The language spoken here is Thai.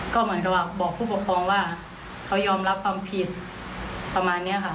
ก็เหมือนกับว่าบอกผู้ปกครองว่าเขายอมรับความผิดประมาณนี้ค่ะ